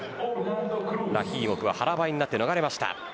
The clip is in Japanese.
ラヒーモフは腹ばいになって逃れました。